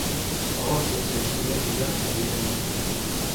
ڕۆژ دەچێژم دەرد و داخی بێ ئەوی